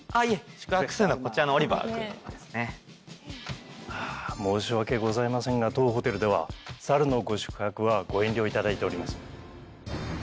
宿泊するのはこちらのオリバーくんですねあ申し訳ございませんが当ホテルでは猿のご宿泊はご遠慮いただいております